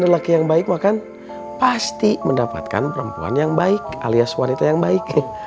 dan laki yang baik maka pasti mendapatkan perempuan yang baik alias wanita yang baik